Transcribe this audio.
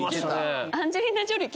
アンジェリーナ・ジョリー